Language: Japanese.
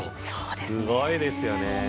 すごいですよね。